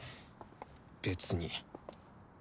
別に。